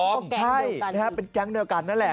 เป็นแกงเดียวกันหรือเปล่าครับใช่เป็นแกงเดียวกันนั่นแหละ